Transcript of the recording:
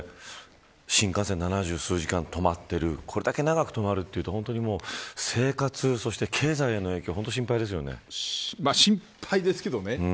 新幹線７０数時間止まっているこれだけ長く止まるというと生活、そして経済に心配ですけどね